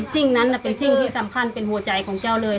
สิ่งนั้นเป็นสิ่งที่สำคัญเป็นหัวใจของเจ้าเลย